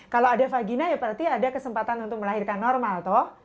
kalau ada vagina berarti ada kesempatan untuk melahirkan normal